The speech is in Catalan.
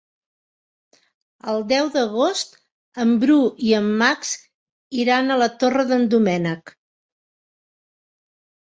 El deu d'agost en Bru i en Max iran a la Torre d'en Doménec.